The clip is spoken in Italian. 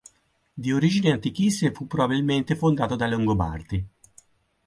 Di origini antichissime fu probabilmente fondato dai Longobardi.